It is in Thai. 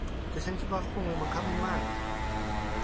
แต่ฉันคิดว่าเขาคงไม่บังคับมันมาก